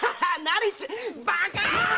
バカ！